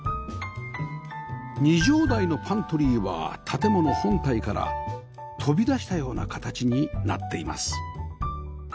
２畳大のパントリーは建物本体から飛び出したような形になっています